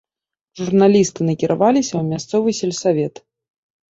Журналісты накіраваліся ў мясцовы сельсавет.